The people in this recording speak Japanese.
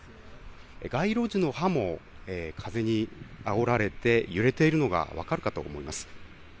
街路樹の葉も風にあおられて揺れているのが分かるかと思います。